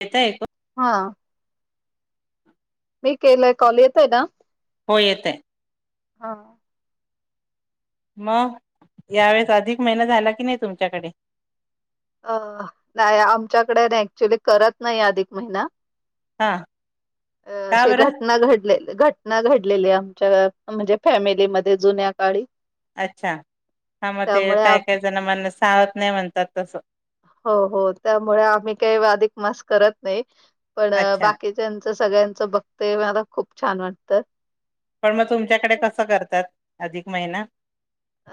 येतय ऐकु हा मी केलंय कॉल येतय ना? हो येतय. हां. मग यावेेळेस अधिक महिना झाला की नाही तुमच्याकडे? अ नाही आमच्याकडे नाही, ऍक्च्युली करत नाही अधिक महिना हा का अशे बरं? घटना घडले घट ना घडलेली आमच्या म्हणजे फॅमिलीमध्ये जुन्या काळी अच्छा हा मग ते त्यामुळे आ काय काय जण म्हण साहत नाही म्हणतात तसं. हो हो, त्यामुळे आम्ही काही अधिक मास करत नाही पण अच्छा. बाकी च्यांचं सगळ्यांचं बघते, मला खूप छान वाटतं पण मग तुमच्याकडे कसं करतात अधिक महिना?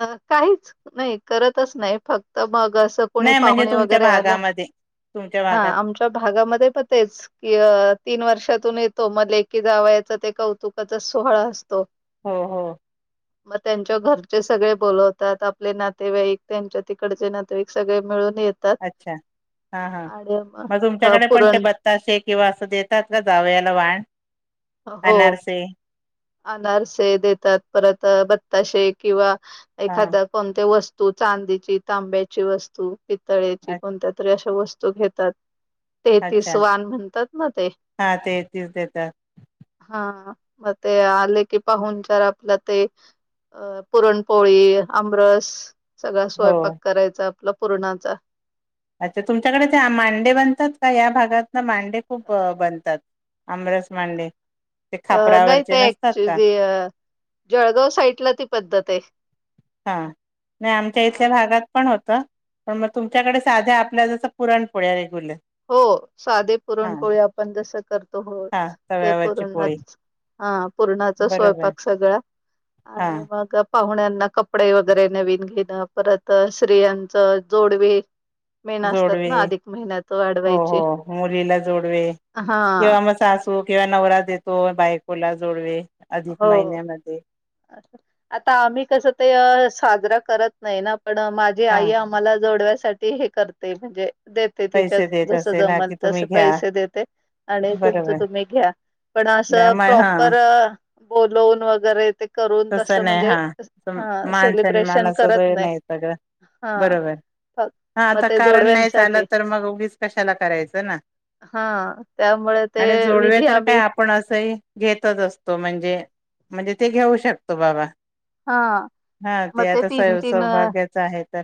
अ काहीच नाही, करतच नाही फक्त मग अस कोणी नाही म्हणजे पाहुणे तुमच्या वगैरे आलं, भागामध्ये. तुमच्या हा भागात. आमच्या भागामध्ये पण तेच की तीन वर्षातून येतो, मग लेकी जावयाचा ते कौतुकाचा सोहळा असतो. हो हो मग त्यांच्या घर चे सगळे बोलवतात, आपले नातेवाईक त्यांच्या तिकडचे नातेवाईक सगळे मिळून येत अच्छा हा हा मग अ, तुमच्याकडे पण ते पुरण ब ते किंवा असं देतात का जावयाला वाण. हो अनारसे? अनारसे देतात परत बत्ताशे किंवा हा. एखाद्या कोणत्या वस्तू चांदीची, तांब्याची वस्तू पितळ्याची कोणत्या तरी अशा वस्तू घेतात तेहतीस अच्छा. वान म्हणतात ना ते. हा तेहतीस देतात. हा मग ते आले की पाहूनचार आपलं ते अ पुरणपोळी आमरस सगळा हो. स्वयंपाक करायचा आपला पुरणाचा. अच्छा तुमच्याकडे ते मांडे बनतात का या भागात ना मांडे खूप बनतात. आमरस मांडे. ते अ नाही खापरावरचे ते नसतात का ऍक्च्युली अ जळगाव साईडला ती पद्धत आहे. हा नाही आमच्या अ, इथल्या भागात पण होतं. पण मग तुमच्याकडे साध्या आपल्या जसं पुरणपोळ्या रेग्युलर. हो साधे हा पुरणपोळी आपण जसं करतो हो हा ते तव्यावरची पोळी पुरणच हा पूरणाचा स्वयंपाक सगळां हां मग पाहुण्यांना कपडे वगैरे नवीन घेणं परत स्त्रियांच जोडवे मेन असतात जोडवे ना अधिक महिन्यात. हो हो वाढवायची. मुलीला जोडवे हा किंवा सासू किंवा नवरा येतो बायकोला जोडवे अधिक हो महिन्यामध्ये. आता आम्ही कसं ते साजरा करत नाही ना पण मागे हा आई आम मला जोडव्यासाठी हे करते म्हणजे देते तिच्या पैसे देत जस असेल हा जमल की तसे तुम्ही घ्या पैसे देते. आणि तुमचं बरोबर तुम्ही घ्या पण घ्या, असं मग हा प्रॉपर बोलवून वगैरे ते करून तस तसं नाही म्हणजे हा हा मान सन्मान सेलिब्रेशन करत वेळ हे नाही सगळं हा बरोबर फक हा मग आता ते कारण नाही जोडव्यांसाठी चालत तर मग उगीच कशाला करायचं ना. हा त्यामुळे ते आणि जोडवे विधी तर काय आम्ही आपण असंही घेतच असतो म्हणजे म्हणजे ते घेऊ शकतो बाबा. हा हा मग ते आता स तीन तीन अ सौभाग्याच आहे तर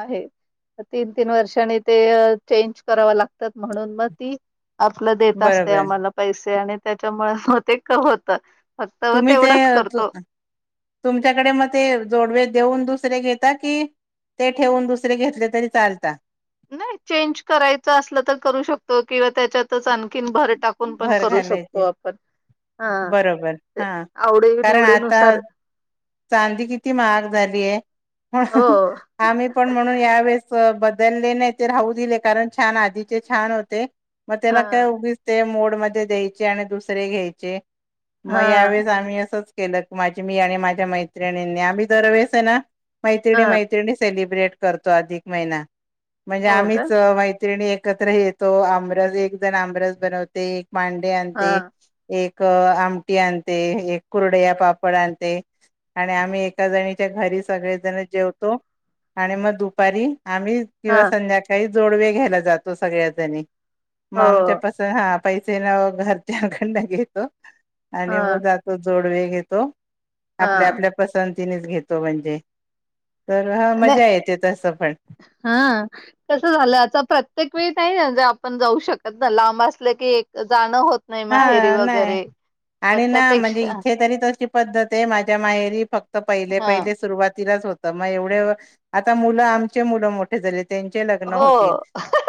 आहे तीन तीन वर्षांनी ते चेंज कराव लागतात म्हणून मग ती आपलं देत असते बरोबर आम्हाला पैसे आणि त्याच्यामुळे मग ते क होत. फक्त तुम्ही ते तेवढच करतो‌ तुमच्याकडे मग ते जोडवे देऊन दुसरे घेता की ते ठेवून दुसरे घेतले तरी चालतात. नाही चेंज करायचं असलं तर करू शकतो किंवा त्याच्यातच आणखी भर टाकून पण भर करू घालायचे शकतो आपण. हा बरोबर ते हा आवडी निवडीनुसार चांदीपण किती महाग झाली आहे हो. आम्ही पण म्हणून यावेेळेस बदलले नाही ते राहू दिले कारण छान आधीचे छान होते मग त्याला काय हा उ ते मोड मध्ये द्यायचे आणि दुसरे घ्यायचे मग हा यावेळेस आम्ही असंच केलं माझे मी आणि माझ्या मैत्रिणींनी आम्ही जर वेळेस आहे ना हा मैत्रिणी मै सेलिब्रेट करतो अधिक महिना म्हणजे हो का आम्ही एकत्र येतो आमरस एक जण आमरस बनवते एक भांडे हा आणते. एक आमटी आणते एक कुरडया पापड आणते. आणि आम्ही एका जणीच्या घरी सगळेजण जेवतो आणि मग दुपारी आम्ही हा किंवा संध्याकाळी जोडवे घ्यायला जातो सगळ्याजणी मग हो. आमच्याप हा पैसे ना घरच्याकडन घेतो आणि हा मग जात तो जोडवे घेतो. आपल्या हा आपल्या पसंतीनेच घेतो म्हणजे तर हा नाही मजा येते तसं पण. हा कस झालं आता प्रत्येक वेळी ना ज आपण जाऊ शकत ना लांब असलं की एक जाणं होत नाही हा माहेरी नाही वगैरे मग आणि ना म्हणजे त्यापेक्षा इथे तरी तशी पद्धत आहे माझ्या माहेरी फक्त पहिले हा पहिले सुरुवातीलाच होते मग एवढे आता मुलं आमचे मुलं मोठे झाले त्यांचे लग्न हो होतील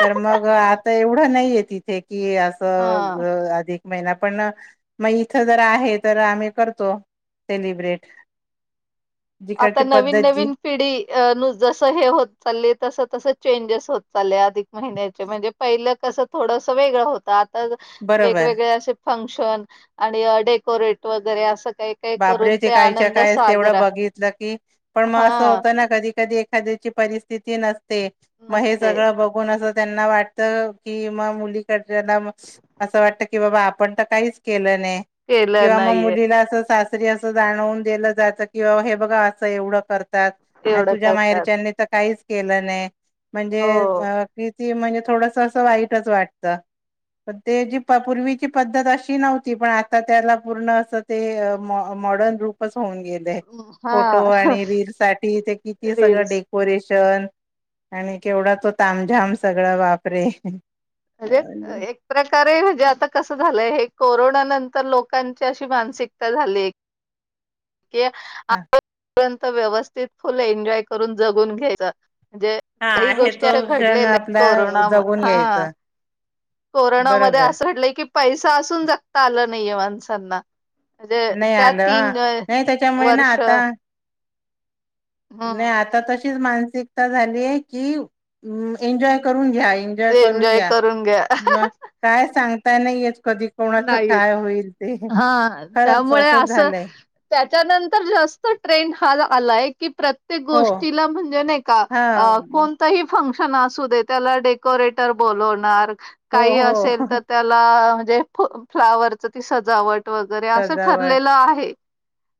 तर मग आता एवढं नाहीये तिथे कि असं हा एक महिना पण मग इथं जर आहे तर आम्ही करतो सेलिब्रेट आता जिकडची नवीन पद्धत जी नवीन पिडी नु जस हे होत चालली तस तस चेंजेस होत चालल्यात महि्या म्हणजे पहिलं कस थोडस वेगळं होत आता बरोबर वेगवेगळे असे फंक्शन आणि डेकोरेट वगैरे असं काही काही करून बाबरेचे ते कायच्या आनंद काय तेवढं साजरा बघित की पण हा मग असं होत ना कधी कधी एखाद्याची परिस्थिती नस ते मग हे नसते सगळं बघून असं त्यांना वाटत कि मग मुलीकडला असं वाटत की बाबा आपण तर काहीच केलं नाही केलं किंवा मग नाहीये मुलीला अस सासरी असं जाणवून दिलं जायातं किं हे बघा असं एवढं करत एवढं तुझ्या करतात माहेरच्यानी काहीच केलं नाही म्हणजे हो किती म्हणजे थोडस असं वाईटच वाटतं पण ते जी पूर्वीची पद्धत अशी नव्हती पण आता त्याला पूर्ण असं ते मॉडर्न रूपच होऊन गेले फोटो हा आणि रील साठी ते किती सगळ रील्स डेकोरेशन आणि केवढा तो तामझाम सगळा बापरे अे एक एक प्रकारे म्हणजे आता कसं झालंय हे कोरोना नंतर लोकांची अशी मानसिकता झाली एक क हा र्यंत व्यवस्थित फुल एन्जॉय करून जगून घ्यायचं म्हणजे हा काही हे तो गोष्टी क्षण घडलेल्या आहेत आपला कोरोना जगून ह घ्यायचा कोरोनामध्ये बरोबर असं वाटलंय की पैसा असून जगता आलं नाहीये माणसांना म्हणजे नाही त्या आलं हा तीन नाही त्याच्यामुळे ना वर्ष आता नाही हम्म आता तशीच मानसिकता झालीय की एन्जॉय करून घ्या एन्जॉय करून घ्या करून घ्या म काय सांगताय नाही कधी कोणाचं नाहीयेत काय होईल ते हा खरंच त्यामुळे असं झालंय. त्याच्यानंतर जास्त ट्रेंड हा आलाय की प्रत्य हो गोष्टीला म्हणजे नाही का हा कोण. फशन अस दे त्या डेकोरेटर ब हो काही असे हो तर. म्हणजे फ्लावर च ती सजावट वगैरे असं सजावट ठरलेलं आहे.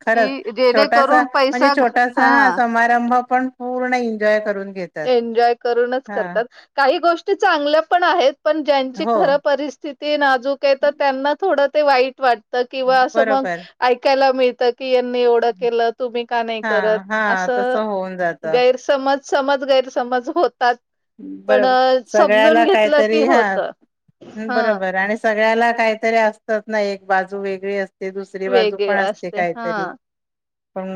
खरंच कि छोटासा जेणेकरून म्हणजे पैसा छोटासा हा समारंभ पण. पूर्ण एन्जॉय करून घेत. एन्जॉय करूनच करतात काही गोष्टी चांगल्या पण आहेत. पण ज्यांची हो खरं परिस्थिती नाजूक हे तर त्यांना थोडं ते वाईट वाट किंवा असं मग बरोबर ऐकायला मिळतं टीय यनी एवढं केलं तुम्ही का नाही हा करत हा असं तसं होऊन जात गैरसमज समज गैरसमज होतात. पण बरोबर सगळ्याला समजून घेतलं की काहीतरी हा होत हा बरोबर आणि सगळ्याला काहीतरी असतात ना एक बाजू वेगळी असते दुसरी बाजू वेगळे पण असते कायंतरी हा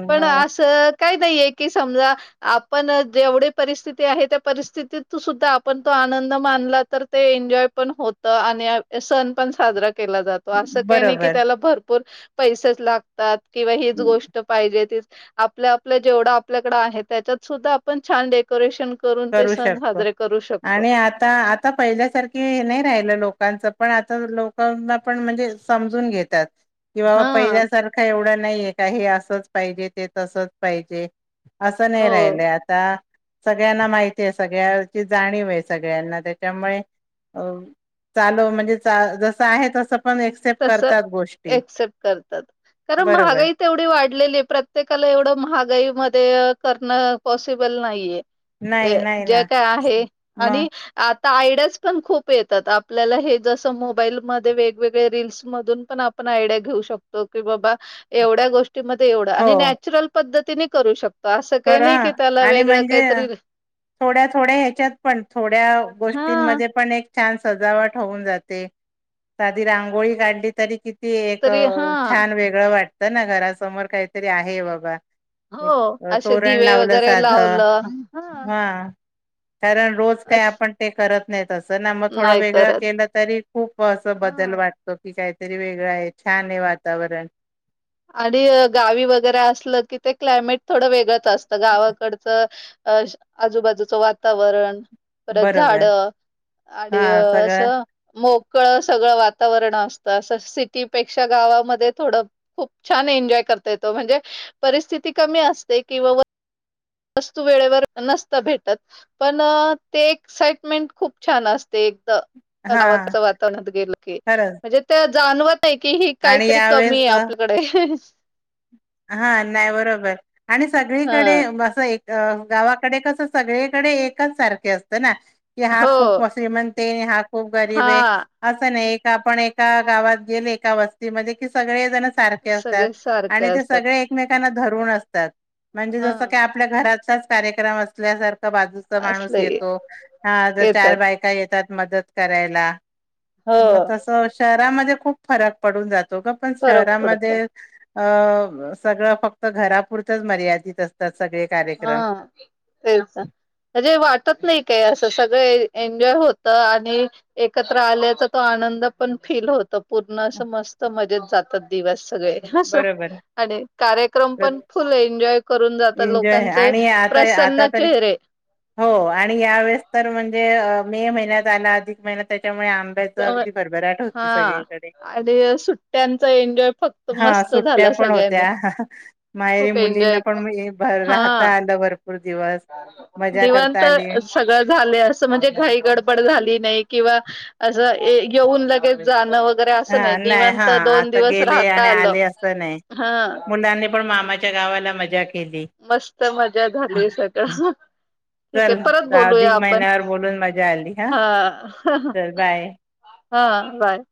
पण असं काय नाहीये की समजा. आपण जेवढी परिस्थिती आहे त्या परिस्थितीत सुद्धा आपण तो आनंद मानला तर ते एन्जॉय पण होत आणि सण पण साजरा केला जात तो असं काही नाही की बरोबर त्याला भरपूर पैसेच लागतात किंवा हीच गोष्ट पाजे आपल्या आपल्या जेवढं आपल्याकड आहे, त्याच्यात सुद्धा आपण छान. करेशन करून ते करू सण शकतो. साजरे करू शकतो. आणि आता आ आता पहिल्यासारखी नाही राहिलं लोकांचं पण आता लोकांना पण म्हणजे समजून घेतात. किंवा हा पहिल्यासारखं एवढं नाहीये का हे असंच पाहिजे ते तसंच पाहिजे. असं नाही हो राहिलय आता. सगळ्यांना माहिती आहे सगळ्याची जाणीव आहे सगळ्यांना त्याच्यामुळे अ चालो म्हणजे चा जसं आहे तसं पण ए तस एक्सेप्ट करतात, कारण बरोबर. महागाई तेवढी वाढलेली प्रत्येकाला एवढं महागाईमध्ये करणं पॉसिबल नाहीये. ज नाही नाही जे ना काय आहे मग आणि आता आयडियाज पण खूप येतात आपल्याला हे जसं मोबाईलमध्ये वेगवेग वे रिल्स मधून पण आपण आयडिया घेऊ शकतो की बाबा एवढ्या गोष टी मध्ये एवढं हो आणि नॅचरल पद्धतीने करू शक खरं आणि म्हणजे थोड्या थोड्या ह्याच्यात पण थोड्या हा गोष्टींमध्ये पण एक छान सजावट होऊन जाते, साधी रांगोळी काढली तरी कि ती एक तरी हा छान वेगळं वाटतं ना घरासमोर काहीतरी आहे बाबा. हो एक अशे तोरण दिवे लावलं वगैरे साधं लावलं. हा, कारण रोज काही असं आपण ते करत नाही तसं ना मग थोडं नाही वेगळं करत. केलं तरी खूप असं बदल हा वाटतो की काहीतरी वेगळं आहे छान आहे वातावरण. आणि गावी वगैरे असलं की ते क्लायमेट थोडं वेगळंच असतं गावाकडचं. अ आजूबाजूचं वातावरण. परत झाड बरोबर आणि हा अस सगळं मोकळं सगळं वातावरण असतं असं सिटीपेक्षा गावामध्ये थोडं खूप छान एन्जॉय करता येतो म्हणजे, परिस्थिती कमी असते कि वस्तू वेळेवर नसतं भेटत. पण ते एक्साइटमेंट खूप छान असते एक. हा गावाकडे च वातावरणात गेल की, खरंच म्हणजे ते जाणवत नाही कि ही आणि काहीतरी कमी आहे यावेेळेस आपल्याकडे. हा नाही बरोबर आणि सगळीकडे हां, असं एक अ गावाकडे कसं सगळीकडे एकच सारखे असतं ना, की हो, हा खूप श्रीमंन ते हा खूप गरीब आहे. हां, असं नाही एक आपण एका गावात गेले का वस्तीमध्ये कि सगळे जणच सारखे असतात सगळे सारखे आणि तसं असतात. ते एकमेकांना धरून आसतात म्हणेज जस हां, काय आपल्या घरातलाच कार्यक्रम असल्या सारखा बाजू च माणूस असले ये- येतो, हा येतात. चार बायका येतात मदत करायला. हो, म तसं शहरामध्ये खूप फरक पडून जातो ग पण फरक पडतो. शहरामध्ये अ सगळं फक्त घरापुरतच मर्यादित अस त सगळे. हा कार्यक्रम. तेच. म्हणजे वाटत नाही काय असं सगळं एन्जॉय होत आणि एकत्र आल्याचा तो आनंद पण फील हो त पूर्ण असं मस्त मजेत जातात दिवस सगळे. अस बरोबर. आणि कार्यक्रम पण फुल एन्जॉय करून जात लोक. [unintelligible] आणि आता आता तरी हो आणि यावेेळेस तर म्हणजे अ मे महिन्यात आला अधिक महिना त्याच्यामुळे आम [unintelligible] त्यामुळे अगदी भरभराट होती हां. सगळीकडे. आणि सुट्ट्यांचा एन्जॉय फक्त हा मस्त सुट्ट्या झाला पण सगळ्यांने, होत्या. माहेरी खूप मुलींना एन्जॉय, हा. प्रतीवा निवांत सगळ झालय असं म्हणजे काही गडबड झाली नाही किंवा असं येऊन लगेच जाणं वगैरे असं नाही हा हा निवांत दोन आता दिवस गेले आणि राहता आलं. आले असं नाही. हा मुलांनी पण मामाच्या गावाला मजा केली. मस्त मजा झाली सगळं ठीक के चल परत बोलूया अधिक आपण महिन्यावर बोलून मजा आली हा चल बाय. हा बाय.